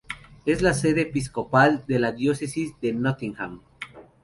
Es la sede episcopal de la diócesis de Nottingham.